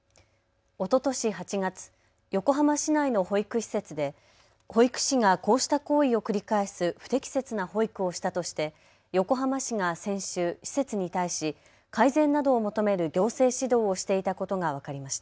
おととし８月、横浜市内の保育施設で保育士がこうした行為を繰り返す不適切な保育をしたとして横浜市が先週、施設に対し改善などを求める行政指導をしていたことが分かりました。